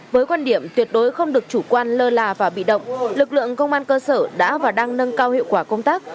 với quan điểm tuyệt đối không được chủ quan lơ là và bị động lực lượng công an cơ sở đã và đang nâng cao hiệu quả công tác